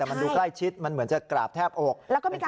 แต่มันดูใกล้ชิดมันเหมือนจะกราบแทบบอก